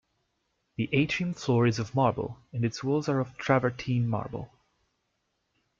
The atrium floor is of marble and its walls are of travertine marble.